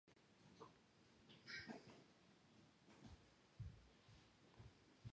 როგორც, მუსიკოსი მან ფუნდამენტალური ძვრები მოახდინა ბლუზისა და როკ-ენ-როლის ჟანრში.